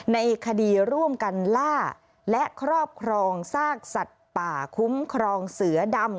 ในคดีร่วมกันล่าและครอบครองซากสัตว์ป่าคุ้มครองเสือดำ